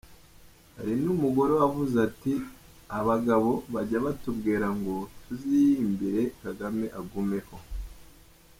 Hari n’umugore wavuze ati “Abagabo bajya batubwira ngo tuziyimbire Kagame agumeho.